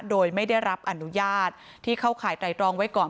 โดยไม่ได้รับอนุญาตที่เข้าข่ายไตรรองไว้ก่อน